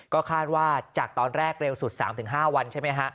ก็คาดว่าจากตอนแรกเร็วสุด๓๕วันใช่ไหมฮะ